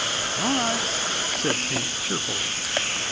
"All right," said Pink cheerfully.